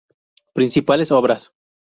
Principales obras